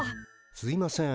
すいません。